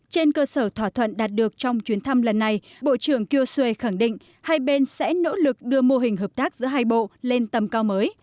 trên cơ sở thỏa thuận đạt được trong chuyến thăm lần này bộ trưởng kiosure khẳng định hai bên sẽ nỗ lực đưa mô hình hợp tác giữa hai bộ lên tầm cao mới